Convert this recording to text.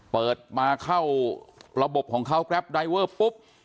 เปิดมาเข้าระบบของเขาแกรปไดเวอร์ปุ๊บ